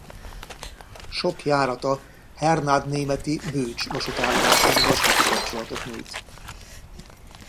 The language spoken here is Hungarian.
Sok járata Hernádnémeti-Bőcs vasútállomáson vasúti kapcsolatot nyújt.